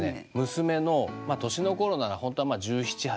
娘の年の頃ならホントは１７１８。